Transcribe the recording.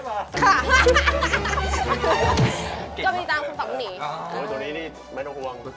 โอ้ยตัวนี้นี่ไม่ต้องห่วง